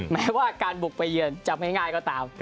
แม้ว่าการบุกไปเยือนจะไม่ง่ายก็ตาม